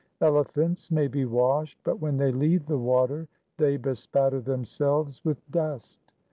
Elephants may be washed, but when they leave the water they bespatter themselves with dust.